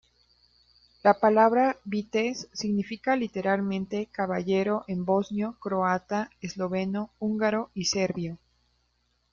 La palabra "Vitez" significa literalmente "caballero" en bosnio, croata, esloveno, húngaro y serbio.